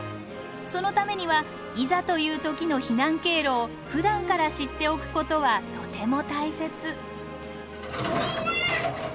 そのためにはいざという時の避難経路をふだんから知っておくことはとても大切。